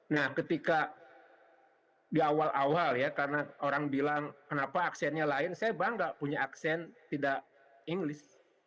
nah ketika di awal awal ya karena orang bilang kenapa aksennya lain saya bangga punya aksen tidak inggris